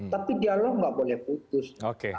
tapi dialog nggak boleh putus